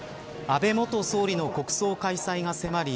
安倍元総理の国葬開催が迫り